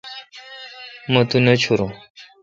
مہ تو نہ چورو۔